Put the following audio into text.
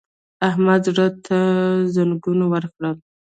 احمد زړه ته زنګنونه ورکړل!